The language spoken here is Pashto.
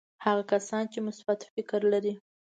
هغه کسان چې مثبت فکر لري.